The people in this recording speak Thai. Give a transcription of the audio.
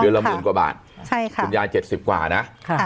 เดือนละหมื่นกว่าบาทใช่ค่ะคุณยายเจ็ดสิบกว่านะค่ะ